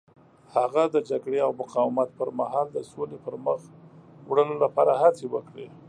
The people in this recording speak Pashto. هغه د جګړې او مقاومت پر مهال د سولې پرمخ وړلو لپاره هڅې وکړې.